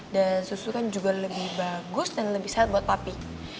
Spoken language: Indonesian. dan susu kan juga lebih bagus dan lebih sehat buat papi